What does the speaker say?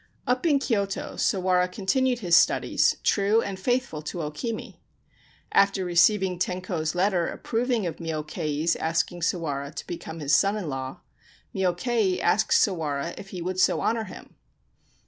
Up in Kyoto Sawara continued his studies, true and faithful to O Kimi. After receiving Tenko's letter approving of Myokei's asking Sawara to become his son in law, Myokei asked Sawara if he would so honour him.